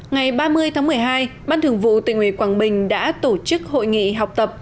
ngày ba mươi tháng một mươi hai ban thường vụ tỉnh ủy quảng bình đã tổ chức hội nghị học tập